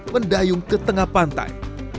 mendayung ke tengah pantai